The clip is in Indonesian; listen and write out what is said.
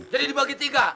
jadi dibagi tiga